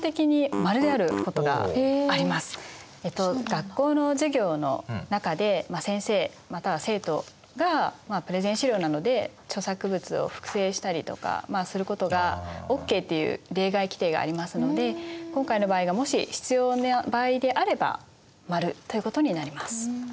学校の授業の中で先生または生徒がプレゼン資料などで著作物を複製したりとかすることがＯＫっていう例外規定がありますので今回の場合がもし必要な場合であれば○ということになります。